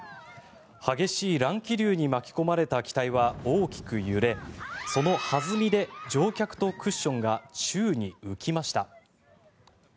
激しい乱気流に巻き込まれた機体は、大きく揺れそのはずみで乗客とクッションが宙に浮きました。